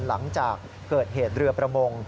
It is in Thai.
หลังจากเกิดเหตุเรือประมง